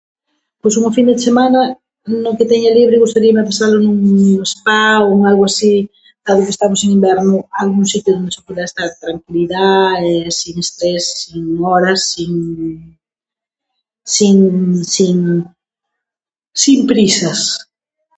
Pois unha fin de semana no que teña libre gustaríame pasalo nun spa ou en algo así, agora que estamos en inverno, algún sitio donde se pudiera estar tranquilidá e sin estrés, sin horas, sin sin sin sin prisas.